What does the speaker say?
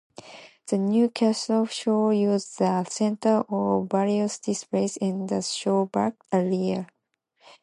The Newcastle Show uses the Centre for various displays and the showbag area.